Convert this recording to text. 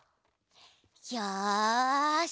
よし。